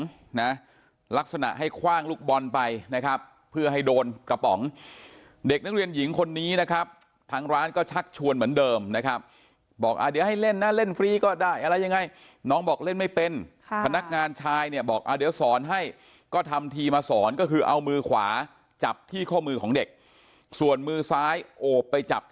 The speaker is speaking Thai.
นะลักษณะให้คว่างลูกบอลไปนะครับเพื่อให้โดนกระป๋องเด็กนักเรียนหญิงคนนี้นะครับทางร้านก็ชักชวนเหมือนเดิมนะครับบอกอ่าเดี๋ยวให้เล่นนะเล่นฟรีก็ได้อะไรยังไงน้องบอกเล่นไม่เป็นค่ะพนักงานชายเนี่ยบอกอ่าเดี๋ยวสอนให้ก็ทำทีมาสอนก็คือเอามือขวาจับที่ข้อมือของเด็กส่วนมือซ้ายโอบไปจับ